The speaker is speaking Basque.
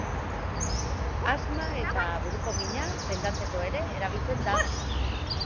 Asma eta buruko mina sendatzeko ere erabiltzen da.